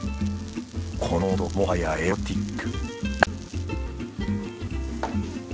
この音もはやエロティック